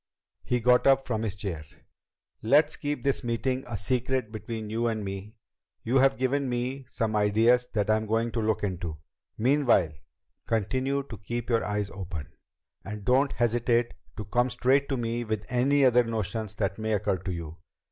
He got up from his chair. "Let's keep this meeting a secret between you and me. You've given me some ideas that I'm going to look into. Meanwhile, continue to keep your eyes open. And don't hesitate to come straight to me with any other notions that may occur to you."